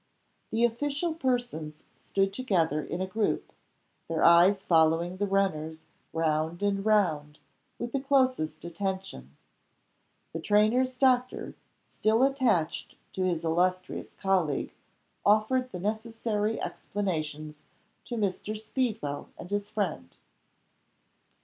The official persons stood together in a group; their eyes following the runners round and round with the closest attention. The trainer's doctor, still attached to his illustrious colleague, offered the necessary explanations to Mr. Speedwell and his friend.